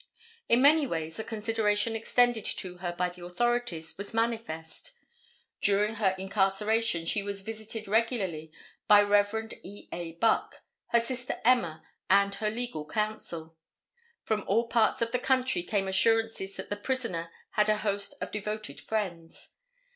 In many ways the consideration extended to her by the authorities was manifest. During her incarceration she was visited regularly by Rev. E. A. Buck, her sister Emma and her legal counsel. From all parts of the country came assurances that the prisoner had a host of devoted friends.